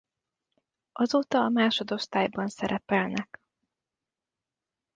Azóta a másodosztályban szerepelnek.